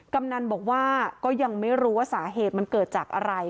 กำนันบอกว่าก็ยังไม่รู้ว่าสาเหตุมันเกิดจากอะไร